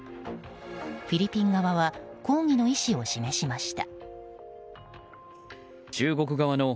フィリピン側は抗議の意思を示しました。